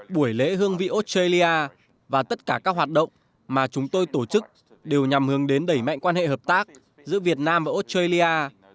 buổi lễ hương vị australia và tất cả các hoạt động mà chúng tôi tổ chức đều nhằm hướng đến đẩy mạnh quan hệ hợp tác giữa việt nam và australia